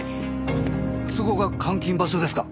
そこが監禁場所ですか？